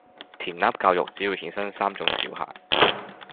填鴨教育只會衍生三種小孩